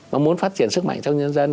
và muốn phát triển sức mạnh trong nhân dân